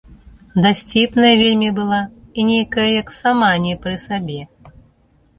Дасціпная вельмі была і нейкая як сама не пры сабе.